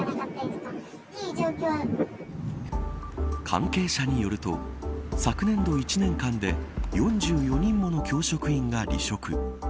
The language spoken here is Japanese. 関係者によると昨年度１年間で４４人もの教職員が離職。